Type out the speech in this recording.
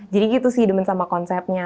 jadi gitu sih demen sama konsepnya